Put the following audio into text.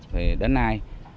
thì đến nay